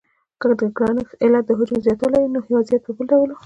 که د ګرانښت علت د حجم زیاتوالی وای نو وضعیت به بل ډول و.